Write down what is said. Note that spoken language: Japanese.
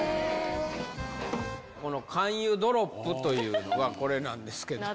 この肝油ドロップというのがこれなんですけども。